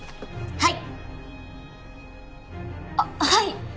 はい。